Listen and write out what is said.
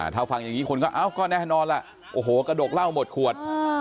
ถ้าฟังอย่างนี้คนก็เอ้าก็แน่นอนล่ะโอ้โหกระดกเหล้าหมดขวด